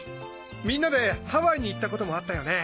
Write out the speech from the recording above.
みんなでハワイに行ったこともあったよね！